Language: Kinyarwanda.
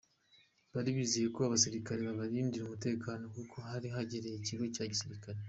Bari bizeye ko abasirikare babarindira umutekano, kuko hari hegereye ikigo cya gisirikare.